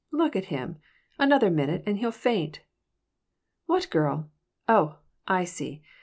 Look at him! Another minute and he'll faint." "What girl? Oh, I see!